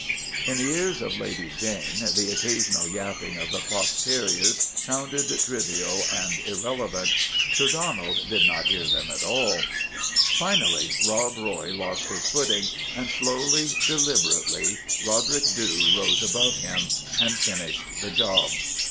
' In the ears of Lady Jane the occasional yapping of the fox terriers sounded trivial and irrelevant. Sir Donald did not hear them at all. JUSTICE AT VALLEY BROOK in " Finally Rob Roy lost his footing, and slowly, deliberately Roderick Dhu rose above him and finished the job